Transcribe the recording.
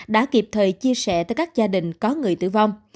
đã kịp thời chia sẻ tới các gia đình có người tử vong